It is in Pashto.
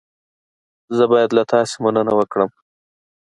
زه باید له تاسې مننه وکړم.